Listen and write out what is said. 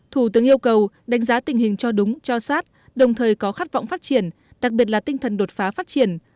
thủ tướng yêu cầu đánh giá tình hình cho đúng cho sát đồng thời có khát vọng phát triển đặc biệt là tinh thần đột phá phát triển